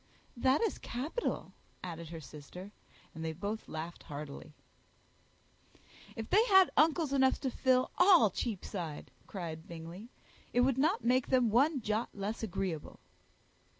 "That is capital," added her sister; and they both laughed heartily. "If they had uncles enough to fill all Cheapside," cried Bingley, "it would not make them one jot less agreeable."